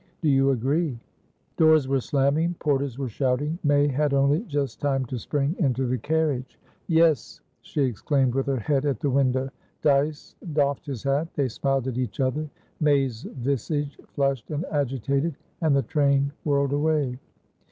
Do you agree?" Doors were slamming; porters were shouting. May had only just time to spring into the carriage. "Yes!" she exclaimed, with her head at the window. Dyce doffed his hat. They smiled at each other, May's visage flushed and agitated, and the train whirled away.